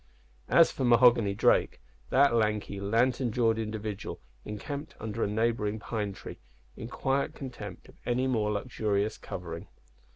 As for Mahoghany Drake, that lanky, lantern jawed individual encamped under a neighbouring pine tree in quiet contempt of any more luxurious covering.